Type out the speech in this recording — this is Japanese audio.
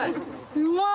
うまい！